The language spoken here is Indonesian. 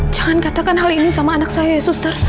jangan katakan hal ini sama anak saya ya suster